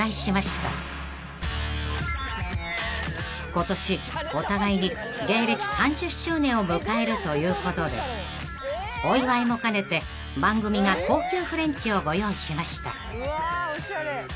［今年お互いに芸歴３０周年を迎えるということでお祝いも兼ねて番組が高級フレンチをご用意しました］